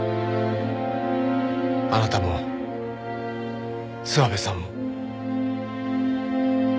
あなたも諏訪部さんも。